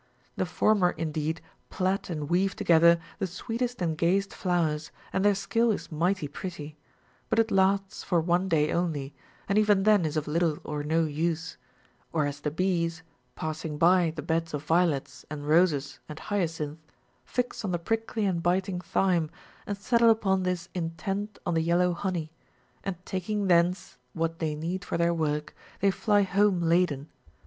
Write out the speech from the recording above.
The former indeed plat and weave together the sweetest and gayest flowers, and their skill is mighty pretty ; but it lasts for one day only, and even then is of little or no use ; whereas the bees, passing by the beds of violets and roses and hyacinth, fix on the prickly and biting thyme, and settle upon this " intent on the yel low honey," * and taking thence Avhat they need for their work, they fly home laden.